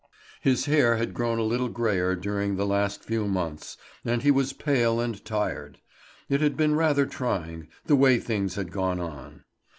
His hair had grown a little greyer during the last few months, and he was pale and tired; it had been rather trying, the way things had gone on.